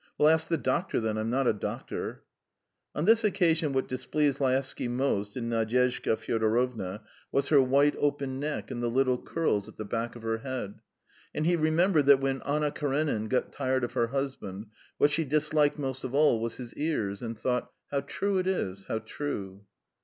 "Well, ask the doctor, then; I'm not a doctor." On this occasion what displeased Laevsky most in Nadyezhda Fyodorovna was her white open neck and the little curls at the back of her head. And he remembered that when Anna Karenin got tired of her husband, what she disliked most of all was his ears, and thought: "How true it is, how true!"